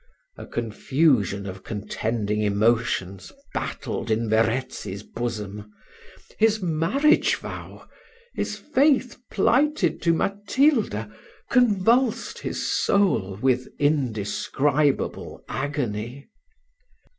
A confusion of contending emotions battled in Verezzi's bosom: his marriage vow his faith plighted to Matilda convulsed his soul with indescribable agony.